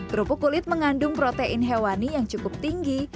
kerupuk kulit mengandung protein hewani yang cukup tinggi